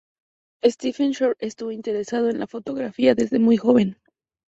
Stephen Shore estuvo interesado en la fotografía desde muy joven.